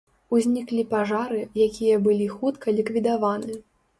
Узніклі пажары, якія былі хутка ліквідаваны.